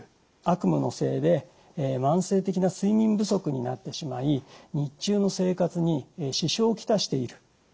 悪夢のせいで慢性的な睡眠不足になってしまい日中の生活に支障を来している。